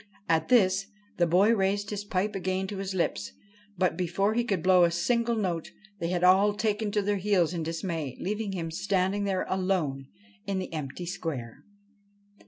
At this the boy raised his pipe again to his lips ; but, before he could blow a single note, they had all taken to their heels in dismay, leaving him standing there alone in the empty square.